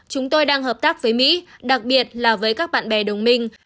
chúng tôi đang hợp tác với mỹ đặc biệt là với các bạn bè đồng minh